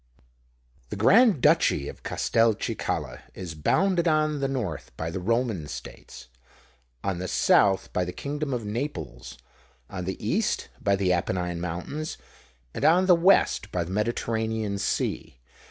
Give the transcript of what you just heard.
The Grand Duchy of Castelcicala is bounded on the north by the Roman States, on the south by the kingdom of Naples, on the east by the Apennine Mountains, and on the west by the Mediterranean Sea.